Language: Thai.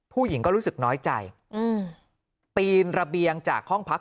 ผู้หญิงก็รู้สึกน้อยใจปีนระเบียงจากห้องพัก